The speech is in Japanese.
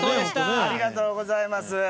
ありがとうございます。